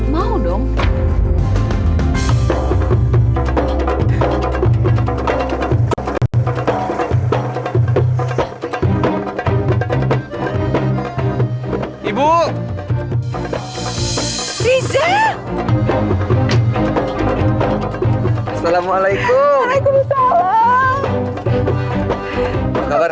mau dong ibu riza assalamualaikum waalaikumsalam